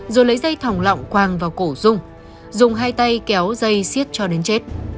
rồi lấy dây thỏng lọng quang vào cổ dung dùng hai tay kéo dây xiết cho đến chết